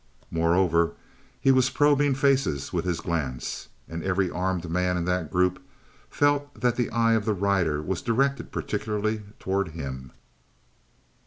Moreover, he was probing faces with his glance. And every armed man in that group felt that the eye of the rider was directed particularly toward him.